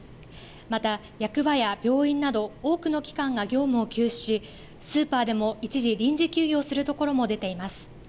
また役場や病院など多くの機関が業務を休止しスーパーでも一時、臨時休業するところも出ています。